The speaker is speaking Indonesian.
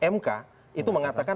mk itu mengatakan